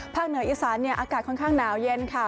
เหนืออีสานอากาศค่อนข้างหนาวเย็นค่ะ